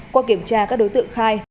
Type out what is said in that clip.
qua kiểm tra các đối tượng khai